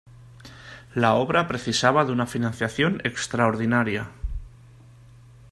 La obra precisaba una financiación extraordinaria.